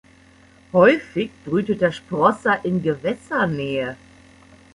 Häufig brütet der Sprosser in Gewässernähe.